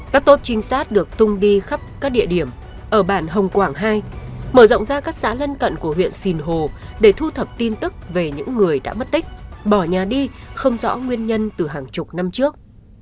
các tốp trinh sát được tung đi khắp các địa điểm ở bản hồng quảng hai mở rộng ra các xã lân cận của huyện sìn hồ để thu thập tin tức về những người đã mất tích bỏ nhà đi không rõ nguyên nhân từ hàng chục năm trước